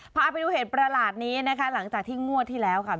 พาไปดูเหตุประหลาดนี้นะคะหลังจากที่งวดที่แล้วค่ะ